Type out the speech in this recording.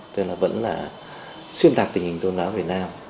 tức là vẫn là xuyên tạc tình hình tôn giáo việt nam